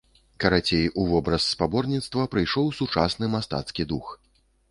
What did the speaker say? Карацей, у вобраз спаборніцтва прыйшоў сучасны мастацкі дух.